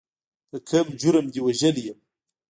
په کوم جرم دې وژلی یم.